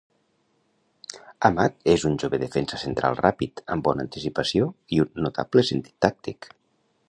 Amat és un jove defensa central ràpid, amb bona anticipació, i un notable sentit tàctic.